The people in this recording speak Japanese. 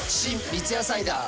三ツ矢サイダー』